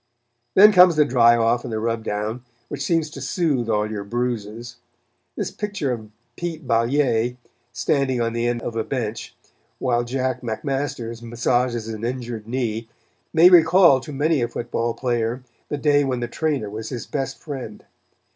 Then comes the dry off and the rub down, which seems to soothe all your bruises. This picture of Pete Balliet standing on the end of a bench, while Jack McMasters massages an injured knee may recall to many a football player the day when the trainer was his best friend.